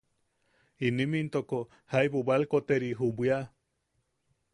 Im intoko jaibu bwalkoteri ju bwia.